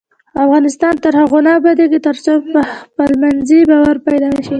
افغانستان تر هغو نه ابادیږي، ترڅو خپلمنځي باور پیدا نشي.